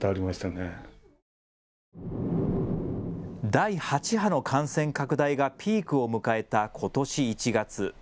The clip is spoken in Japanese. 第８波の感染拡大がピークを迎えたことし１月。